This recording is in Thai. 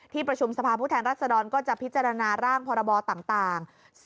ประชุมสภาพผู้แทนรัศดรก็จะพิจารณาร่างพรบต่าง